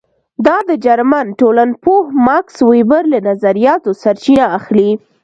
دا د جرمن ټولنپوه ماکس وېبر له نظریاتو سرچینه اخلي.